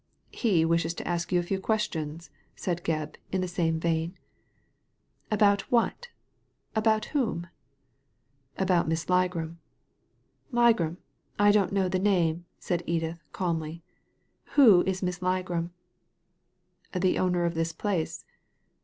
" He wishes to ask you a few questions/' said Gebb in the same vein. « About what ? About whom ?"•• About Miss Ligram." ^Ligram! I don't know the name," said Edith, calmly. " Who is Miss Ligram ?"• The owner of this place."